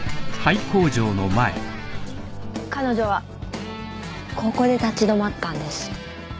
彼女はここで立ち止まったんです。